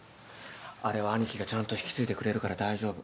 あれは兄貴がちゃんと引き継いでくれるから大丈夫。